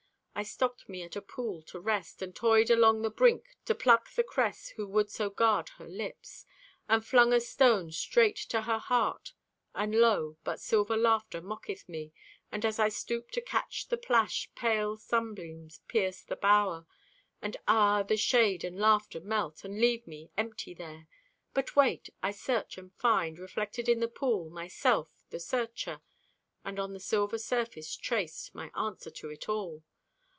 I stopped me at a pool to rest, And toyed along the brink to pluck The cress who would so guard her lips: And flung a stone straight to her heart, And, lo, but silver laughter mocketh me! And as I stoop to catch the plash, Pale sunbeams pierce the bower, And ah, the shade and laughter melt And leave me, empty, there. But wait! I search and find, Reflected in the pool, myself, the searcher. And, on the silver surface traced, My answer to it all.